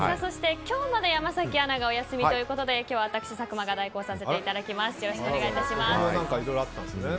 今日まで山崎アナがお休みということで今日は私、佐久間が代行させていただきます。